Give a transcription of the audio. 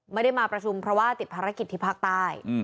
ไม่ได้มาประชุมเพราะว่าติดภารกิจที่ภาคใต้